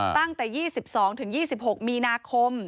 ตั้งแต่๒๒๒๖มีนาคม